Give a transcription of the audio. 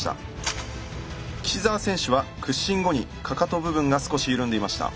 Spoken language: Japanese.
岸澤選手は屈伸後にかかと部分が少し緩んでいました。